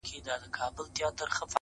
• شپه كي هم خوب نه راځي جانه زما،